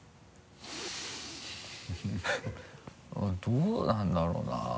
どうなんだろうな？